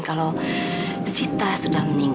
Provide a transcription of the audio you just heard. kalau sita sudah menangis